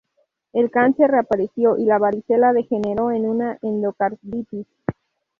El cáncer reapareció y la varicela degeneró en una endocarditis.